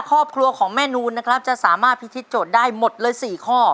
ครอบครัวของแม่นูนนะครับจะสามารถพิธีโจทย์ได้หมดเลย๔ข้อ